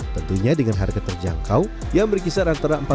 tentunya dengan harga terjangkau yang berkisar antara empat puluh enam puluh ribu rupiah